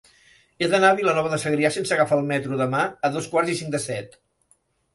He d'anar a Vilanova de Segrià sense agafar el metro demà a dos quarts i cinc de set.